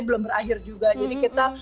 belum berakhir juga jadi kita